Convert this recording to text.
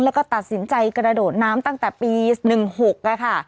แล้วก็ตัดสินใจกระโดดน้ำตั้งแต่ปี๑๖ค่ะ